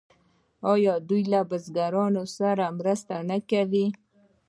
آیا دوی له بزګرانو سره مرسته نه کوي؟